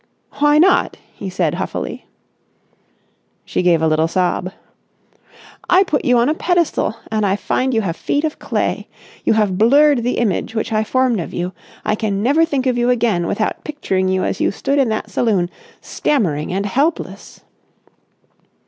"Why not?" he said huffily. She gave a little sob. "I put you on a pedestal and I find you have feet of clay. You have blurred the image which I formed of you. I can never think of you again without picturing you as you stood in that saloon, stammering and helpless...."